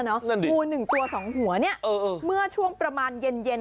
นั่นดิงูหนึ่งตัวสองหัวเนี่ยเมื่อช่วงประมาณเย็น